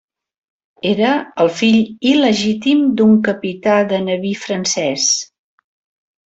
Era el fill il·legítim d'un capità de nabí francès.